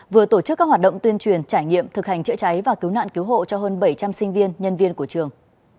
vừa tổ chức các hoạt động tuyên truyền trải nghiệm thực hành chữa cháy và cứu nạn cứu hộ cho hơn bảy trăm linh sinh viên nhân viên của trường